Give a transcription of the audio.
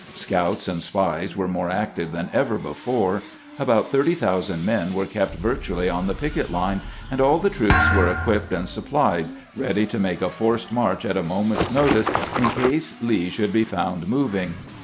Scouts and spies were more active than ever before ; about 30,000 men were kept virtually on the picket line, and all the troops were equipped and supplied, ready to make a forced march at a moment's notice in case Lee should be found moving.